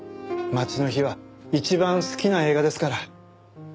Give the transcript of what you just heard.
『街の灯』は一番好きな映画ですから。